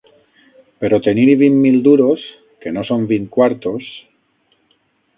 Però tenir-hi vint mil duros, que no són vint quartos